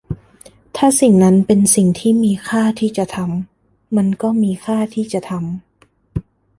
ถ้าสิ่งนั้นเป็นสิ่งที่มีค่าที่จะทำ มันก็มีค่าที่จะทำ